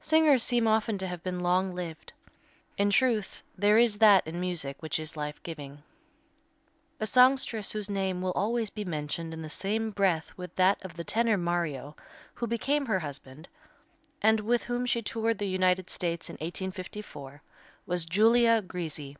Singers seem often to have been long lived. In truth, there is that in music which is life giving. A songstress whose name will always be mentioned in the same breath with that of the tenor Mario, who became her husband, and with whom she toured the United States in 1854, was Giulia Grisi.